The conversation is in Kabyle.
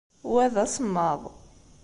Wa d asemmaḍ.